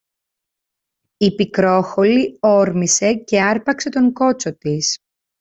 Η Πικρόχολη όρμησε και άρπαξε τον κότσο της.